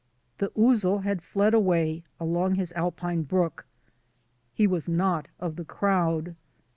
The ouzel had fled away along his alpine brook. He was not of the crowd.